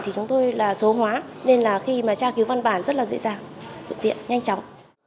thì chúng tôi đã áp dụng cái khoa học tiên tiến